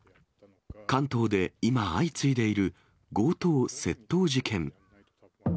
関東で今相次いでいる強盗・窃盗事件。